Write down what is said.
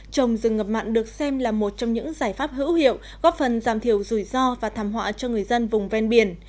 trồng rừng ngập mặn được xem là một trong những giải pháp hữu hiệu góp phần giảm thiểu rủi ro và thảm họa cho người dân vùng ven biển